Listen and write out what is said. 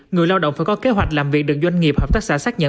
người lao động phải có kế hoạch làm việc được doanh nghiệp hợp tác xã xác nhận